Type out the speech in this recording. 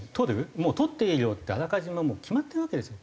とっていい量ってあらかじめ決まってるわけですよ